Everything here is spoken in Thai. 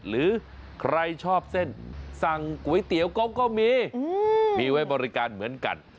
หรือใครชอบเส้นสั่งก๋วยเตี๋ยวก็มีมีไว้บริการเหมือนกัน